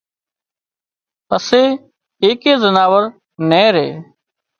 پسي ايڪئي زناور نين ري